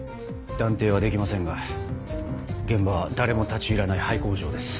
断定はできませんが現場は誰も立ち入らない廃工場です。